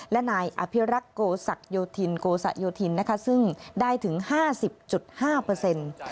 และนายอภิรักษ์โกสัยธินโกสัยธินซึ่งได้ถึง๕๐๕เปอร์เซ็นต์